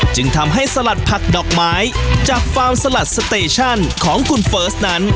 จึงทำให้สลัดผักดอกไม้จากฟาร์มสลัดสเตชั่นของคุณเฟิร์สนั้น